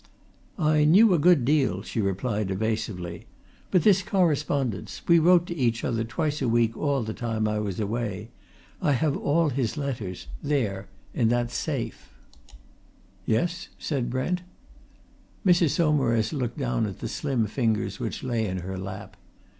"I knew a good deal," she replied evasively. "But this correspondence. We wrote to each other twice a week all the time I was away. I have all his letters there, in that safe." "Yes?" said Brent. Mrs. Saumarez looked down at the slim fingers which lay in her lap.